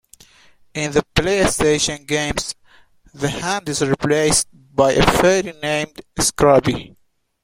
In the PlayStation games, the hand is replaced by a fairy named Scrubby.